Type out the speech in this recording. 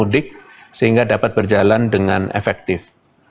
dapat berjalan dengan efektif